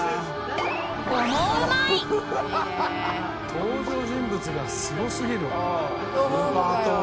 登場人物がすごすぎるわもう。